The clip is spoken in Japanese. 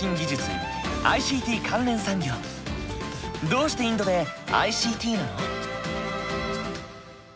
どうしてインドでＩＣＴなの？